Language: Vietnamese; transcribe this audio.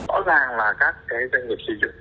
rõ ràng là các doanh nghiệp xây dựng